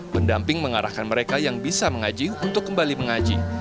pendamping mengarahkan mereka yang bisa mengaji untuk kembali mengaji